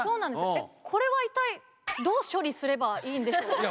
えっこれは一体どう処理すればいいんでしょうっていう。